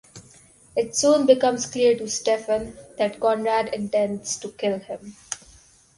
It soon becomes clear to Steffen that Konrad intends to kill him.